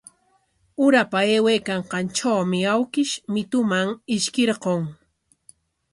Urapa aywaykanqantrawmi awkish mituman ishkirqun.